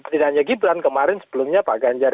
tidak hanya gibran kemarin sebelumnya pak ganjar